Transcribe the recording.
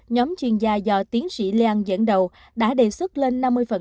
nhóm chuyên gia do tiến sĩ lan dẫn đầu đã đề xuất lên năm mươi